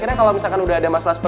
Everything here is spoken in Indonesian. itu maksudnya gimana brant